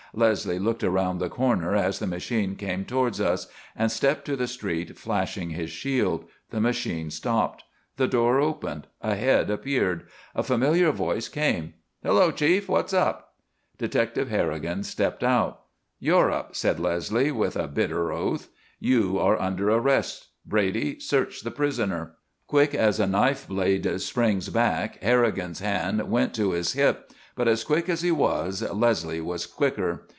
Leslie looked around the corner as the machine came towards us, and stepped to the street, flashing his shield. The machine stopped. The door opened. A head appeared. A familiar voice came. "Hello, Chief! What's up?" Detective Harrigan stepped out. "You're up," said Leslie, with a bitter oath. "You are under arrest. Brady, search the prisoner." Quick as a knife blade springs back Harrigan's hand went to his hip; but as quick as he was, Leslie was quicker.